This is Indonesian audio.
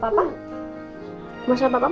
aku mau ketemu mama sama papa